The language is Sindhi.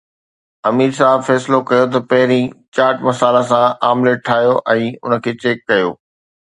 امير صاحب فيصلو ڪيو ته پهرين چاٽ مسالا سان آمليٽ ٺاهيو ۽ ان کي چيڪ ڪيو